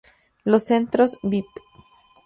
Los centros bip!